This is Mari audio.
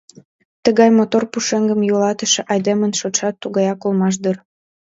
— Тыгай мотор пушеҥгым йӱлатыше айдемын шотшат тугаяк улмаш дыр.